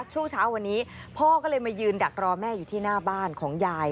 ช่วงเช้าวันนี้พ่อก็เลยมายืนดักรอแม่อยู่ที่หน้าบ้านของยาย